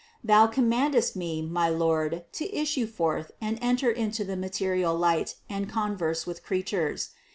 Thou commandest me, my Lord, to issue forth and enter into the material light and con verse with creatures.